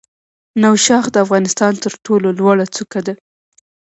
نوشاخ د افغانستان تر ټولو لوړه څوکه ده.